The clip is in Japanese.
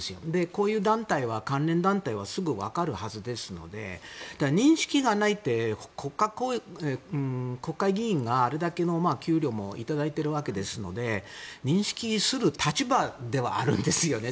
こういう団体は、関連団体はすぐわかるはずですので認識がないって国会議員があれだけの給料も頂いているわけですので認識する立場ではあるんですよね。